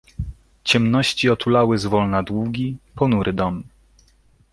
"Ciemności otulały zwolna długi, ponury dom."